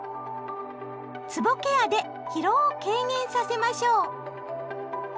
つぼケアで疲労を軽減させましょう！